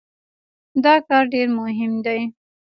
دا کار ډېر مهم دی.